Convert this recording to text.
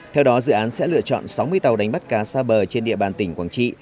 theo đó dự án sẽ lựa chọn sáu mươi tàu đánh bắt cá xa bờ trên địa bàn tỉnh quảng trị